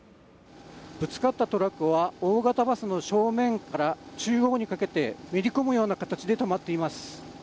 ぶつかったトラックは大型バスの正面から中央にかけてめり込むような形で止まっています。